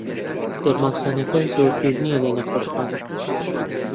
دەرمانخانەکە زۆر دوور نییە لە نەخۆشخانە.